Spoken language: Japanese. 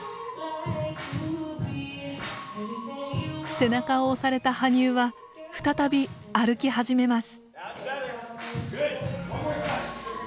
背中を押された羽生は再び歩き始めます。